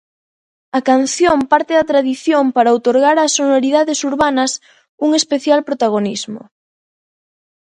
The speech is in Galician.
A canción parte da tradición para outorgar ás sonoridades urbanas un especial protagonismo.